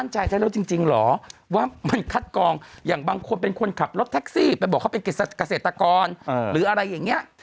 หรืออะไรอย่างเนี้ย